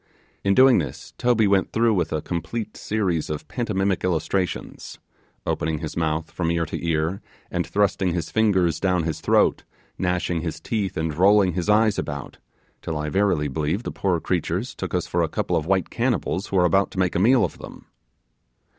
In doing this Toby went through with a complete series of pantomimic illustrations opening his mouth from ear to ear, and thrusting his fingers down his throat, gnashing his teeth and rolling his eyes about, till I verily believe the poor creatures took us for a couple of white cannibals who were about to make a meal of them.